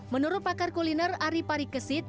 menurut pakar kuliner ari parikesit